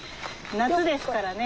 夏ですからね。